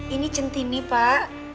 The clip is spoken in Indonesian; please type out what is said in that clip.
ini centini pak